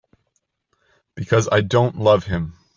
Because I don't love him.